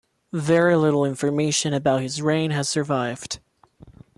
Very little information about his reign has survived.